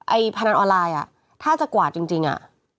พนันออนไลน์อ่ะถ้าจะกวาดจริงอ่ะ